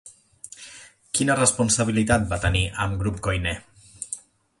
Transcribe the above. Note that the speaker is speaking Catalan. Quina responsabilitat va tenir amb Grup Koiné?